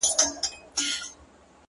• نن بيا د هغې نامه په جار نارې وهلې چي؛